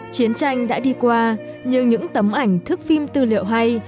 chiến tranh đã đi qua nhưng những tấm ảnh thức phim tư liệu hay